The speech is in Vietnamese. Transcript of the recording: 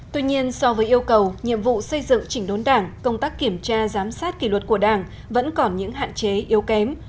tuy nhiên so với yêu cầu nhiệm vụ xây dựng chỉnh đốn đảng công tác kiểm tra giám sát kỷ luật của đảng vẫn còn những hạn chế yếu kém